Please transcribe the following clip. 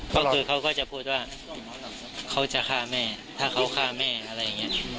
ก็คือเขาก็จะพูดว่าเขาจะฆ่าแม่ถ้าเขาฆ่าแม่อะไรอย่างนี้